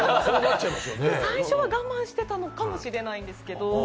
最初は我慢してたのかもしれないですね。